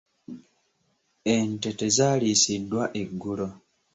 Ente tezaaliisiddwa eggulo.